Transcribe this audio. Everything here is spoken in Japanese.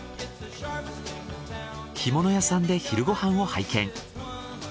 干物屋さんで昼ご飯を拝見。